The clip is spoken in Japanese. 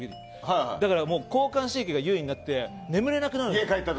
だから、交感神経が優位になって眠れなくなるんですよ。